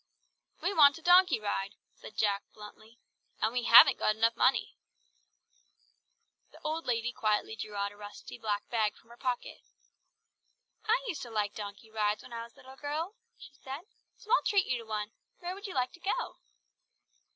"We want a donkey ride," said Jack bluntly; "and we haven't got enough money." The old lady quietly drew out a rusty black bag from her pocket. "I used to like donkey rides when I was a little girl," she said, "so I'll treat you to one. Where would you like to go?"